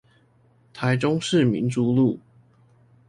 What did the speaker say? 台中市民族路